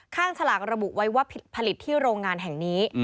ฉลากระบุไว้ว่าผลิตที่โรงงานแห่งนี้